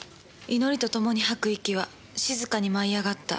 「祈りとともに吐く息は静かに舞い上がった」